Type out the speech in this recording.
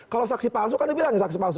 kalau saksi palsu kan dibilang ya saksi palsu